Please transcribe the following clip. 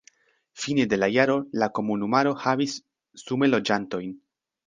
Fine de la jaro la komunumaro havis sume loĝantojn.